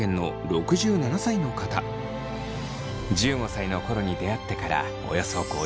１５歳の頃に出会ってからおよそ５２年。